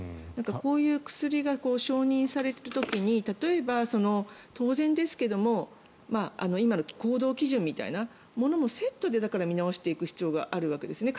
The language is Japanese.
こういう薬が承認される時に例えば、当然ですけども今の行動基準みたいなものもセットで見直していく必要があるわけですよね。